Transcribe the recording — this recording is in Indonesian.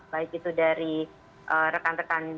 baik itu dari rekan rekan